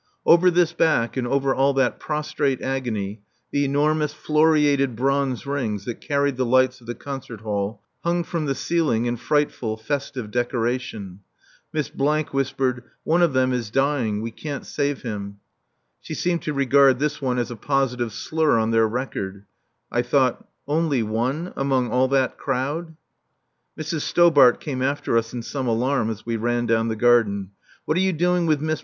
Over this back and over all that prostrate agony the enormous floriated bronze rings that carried the lights of the concert hall hung from the ceiling in frightful, festive decoration. Miss whispered: "One of them is dying. We can't save him." She seemed to regard this one as a positive slur on their record. I thought: "Only one among all that crowd!" Mrs. Stobart came after us in some alarm as we ran down the garden. "What are you doing with Miss